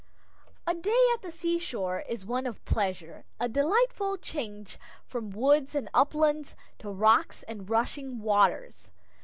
A day at the seashore is one of pleasure, a delightful change from woods and uplands to rocks and rushing waters.